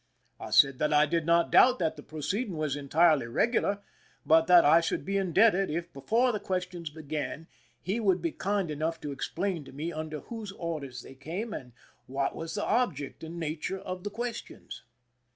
I said that I did not doubt that the proceeding was entirely regular, but that I should be indebted if, before the questions began, he would be kind enough to explain to me under whose orders they came and what was the object and nature of the questions.